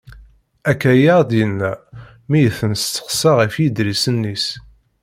Akka i aɣ-d-yenna mi i t-nesteqsa ɣef yiḍrisen-is.